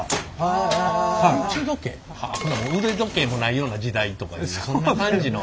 腕時計もないような時代とかそんな感じの。